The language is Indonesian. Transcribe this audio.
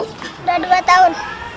udah dua tahun